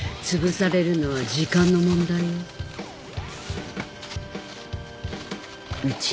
つぶされるのは時間の問題よ